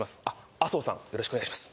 アソウさんよろしくお願いします